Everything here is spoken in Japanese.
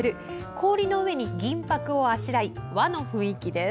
氷の上に銀ぱくをあしらい和の雰囲気です。